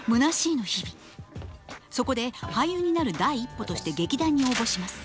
そこで俳優になる第一歩として劇団に応募します。